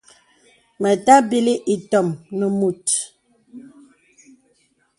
Mə tàbìlī itōm nə mùt.